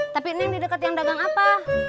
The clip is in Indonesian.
tapi neng di dekat yang dagang apa